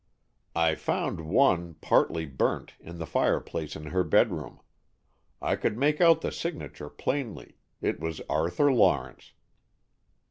"I found one, partly burnt, in the fireplace in her bedroom. I could make out the signature plainly, it was Arthur Lawrence."